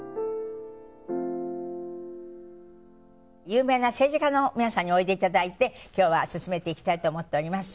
有名な政治家の皆さんにおいで頂いて今日は進めていきたいと思っております。